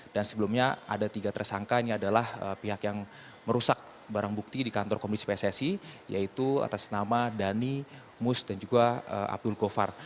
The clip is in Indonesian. dan sebelumnya ada tiga tersangka ini adalah pihak yang merusak barang bukti di kantor komunis pssi yaitu atas nama dhani mus dan juga abdul govar